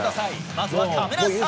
まずは亀梨さん。